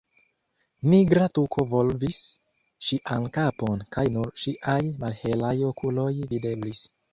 Nigra tuko volvis ŝian kapon kaj nur ŝiaj malhelaj okuloj videblis.